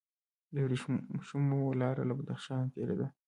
د ورېښمو لاره له بدخشان تیریده